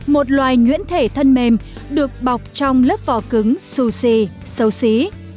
một loài nhuyễn thể thân mềm được bọc trong lớp vỏ cứng xù xì sâu xí